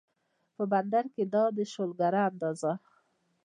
په بندر کې دا دی شو لنګر اندازه